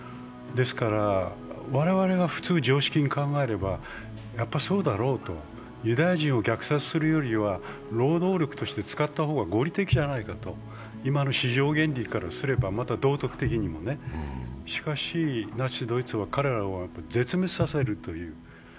ですから、我々が普通、常識に考えれば、やっぱりそうだろうと、ユダヤ人を虐殺するよりは、労働力として使った方が合理的じゃないかと今の市場原理からすれば、また道徳的にも、しかしナチスドイツは彼らを絶滅させるという。